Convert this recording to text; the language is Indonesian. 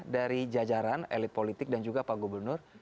dari jajaran elit politik dan juga pak gubernur